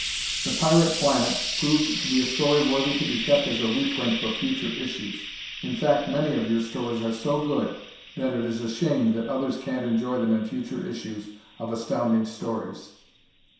"The Pirate Planet" proved to be a story worthy to be kept as a reprint for future issues. In fact, many of your stories are so good that it is a shame that others can't enjoy them in future issues of Astounding Stories.